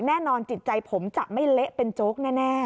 แน่นอนจิตใจผมจะไม่เละเป็นโจ๊กแน่